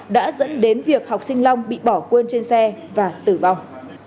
đã dẫn đến việc học sinh long bị bỏ quên trên xe và tử vong